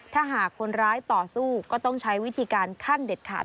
ถ้าหากคนร้ายต่อสู้ก็ต้องใช้วิธีการขั้นเด็ดขาด